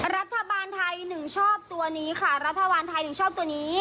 รัฐบาลไทยหนึ่งชอบตัวนี้ค่ะรัฐบาลไทยถึงชอบตัวนี้